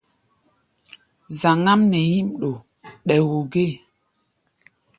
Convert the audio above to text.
Zaŋ-ám nɛ nyím ɗo ɗɛ̧́ú̧ gée.